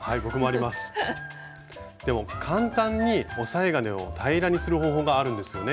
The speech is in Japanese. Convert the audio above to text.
でも簡単におさえ金を平らにする方法があるんですよね？